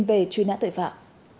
về truy nã tội phạm